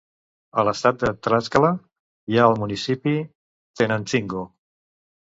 A l'estat de Tlaxcala hi ha el municipi Tenancingo.